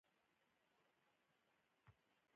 درناوی د نورو لپاره د خیر غوښتنې څرګندونه ده.